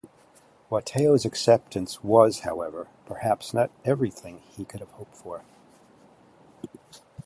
Watteau's acceptance was, however, perhaps not everything that he could have hoped for.